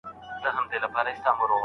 د هغې د لور اکا وويل: اې د الله رسوله!